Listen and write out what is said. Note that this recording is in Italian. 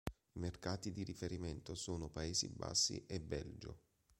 I mercati di riferimento sono Paesi Bassi e Belgio.